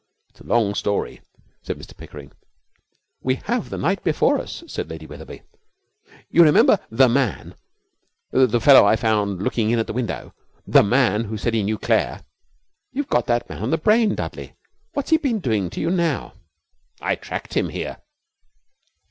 'It's a long story,' said Mr Pickering. 'We have the night before us,' said Lady Wetherby. 'You remember The Man the fellow I found looking in at the window, The Man who said he knew Claire?' 'You've got that man on the brain, Dudley. What's he been doing to you now?' 'I tracked him here.'